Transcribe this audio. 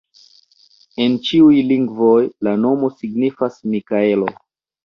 En ĉiuj lingvoj la nomo signifas Mikaelo.